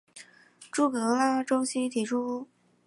朱格拉周期提出。